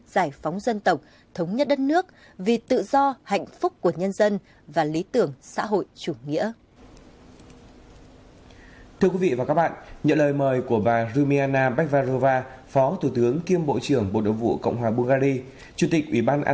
giải phóng dân tộc thống nhất đất nước vì tự do hạnh phúc của nhân dân và lý tưởng xã hội chủ nghĩa